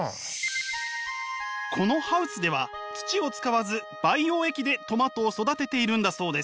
このハウスでは土を使わず培養液でトマトを育てているんだそうです。